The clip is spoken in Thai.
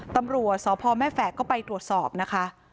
ตำรวจสพแม่แฝกก็ไปตรวจสอบนะคะ